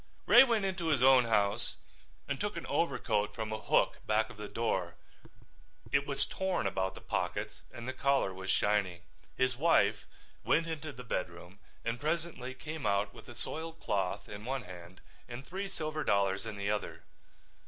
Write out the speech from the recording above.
Ray went into his own house and took an overcoat from a hook back of the door. It was torn about the pockets and the collar was shiny. His wife went into the bedroom and presently came out with a soiled cloth in one hand and three silver dollars in the other.